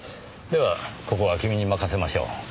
ではここは君に任せましょう。